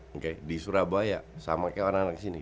oke di surabaya sama kayak orang orang sini